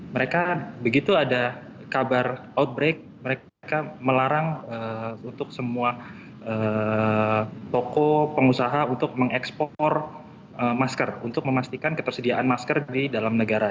mereka begitu ada kabar outbreak mereka melarang untuk semua toko pengusaha untuk mengekspor masker untuk memastikan ketersediaan masker di dalam negara